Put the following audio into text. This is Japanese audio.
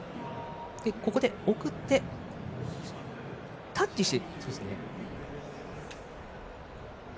ここで送ってタッチして。